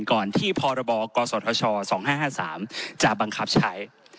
ก่อนที่พรบกศธช๒๕๕๓จะบังคับใช้